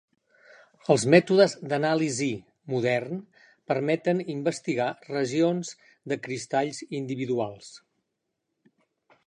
Els mètodes d'anàlisis modern permeten investigar regions de cristalls individuals.